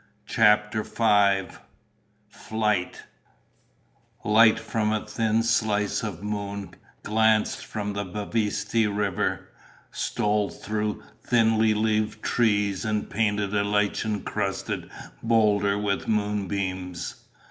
CHAPTER FIVE Flight Light from a thin slice of moon glanced from the Bavispe River, stole through thinly leaved trees, and painted a lichen crusted boulder with moonbeams.